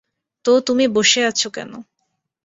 তো, তুমি বসে আছো কেন?